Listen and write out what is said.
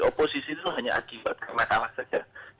oposisi itu hanya akibat karena kalah saja